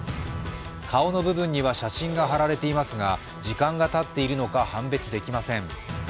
顔の部分には写真が貼られていますが、時間がたっているのか、判別できません。